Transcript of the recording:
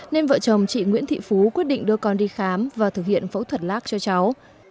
nên vợ chồng chị nguyễn thị phú quyết định đưa con đi khám và thực hiện phẫu thuật lác cho cháu